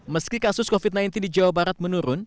meski kasus covid sembilan belas di jawa barat menurun